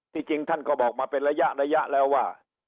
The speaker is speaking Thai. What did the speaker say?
จริงท่านก็บอกมาเป็นระยะแล้วว่า